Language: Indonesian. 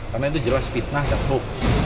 karena itu jelas fitnah dan fokus